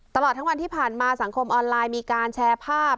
ตลอดทั้งวันที่ผ่านมาสังคมออนไลน์มีการแชร์ภาพ